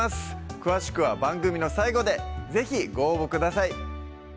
詳しくは番組の最後で是非ご応募ください